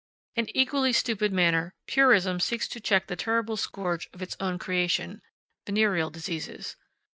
In equally stupid manner purism seeks to check the terrible scourge of its own creation venereal diseases.